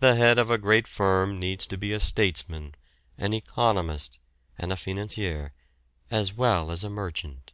The head of a great firm needs be a statesman, an economist, and a financier, as well as a merchant."